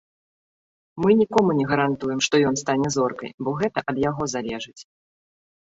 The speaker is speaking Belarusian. Мы нікому не гарантуем, што ён стане зоркай, бо гэта ад яго залежыць.